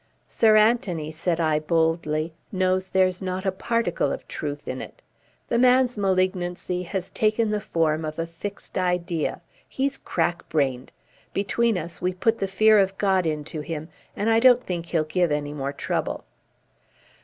"Sir Anthony," said I, boldly, "knows there's not a particle of truth in it. The man's malignancy has taken the form of a fixed idea. He's crack brained. Between us we put the fear of God into him, and I don't think he'll give any more trouble."